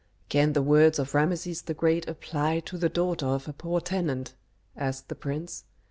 "Can the words of Rameses the Great apply to the daughter of a poor tenant?" asked the prince.